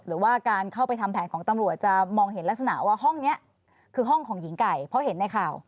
หรือว่าการเข้าไปทำแผนของตำรวจจะมองเห็นลักษณะว่าห้องนี้คือห้องของหญิงไก่เพราะเห็นในข่าว